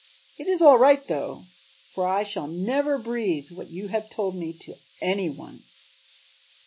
It is all right though, for I shall never breathe what you have told me to any one."